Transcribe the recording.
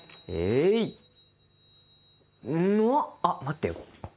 あ待ってよ。